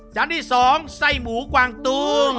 จานที่สองไส้หมูกวางตูง